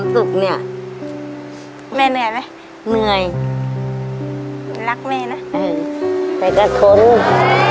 แม่เหนื่อยไหมเหนื่อยรักแม่นะอืมแม่ก็ทุน